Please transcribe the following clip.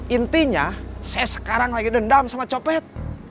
intinya saya sekarang lagi dendam sama copet